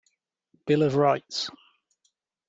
Bill of Rights.